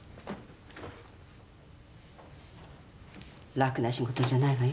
楽な仕事じゃないわよ。